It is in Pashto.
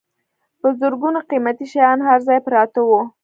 په زرګونو قیمتي شیان هر ځای پراته وو.